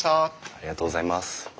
ありがとうございます。